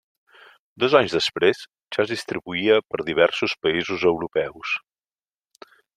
Dos anys després ja es distribuïa per diversos països europeus.